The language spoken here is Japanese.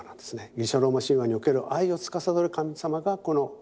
ギリシャ・ローマ神話における愛をつかさどる神様がこのアモル。